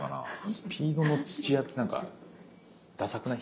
スピードの土屋ってなんかダサくない？